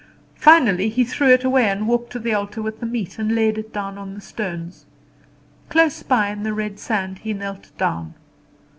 Finally he threw it away and walked to the altar with the meat, and laid it down on the stones. Close by in the red sand he knelt down.